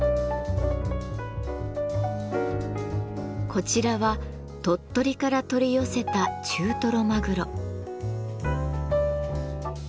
こちらは鳥取から取り寄せた中トロマグロ。